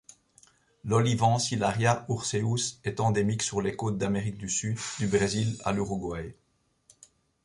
L'Olivancillaria urceus est endémique sur les côtes d'Amérique du Sud, du Brésil à l'Uruguay.